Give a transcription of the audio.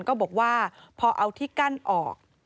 ก็บอกว่าพอเอาที่กั้นออก